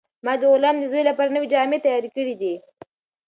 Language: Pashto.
ما د غلام د زوی لپاره نوې جامې تیارې کړې دي.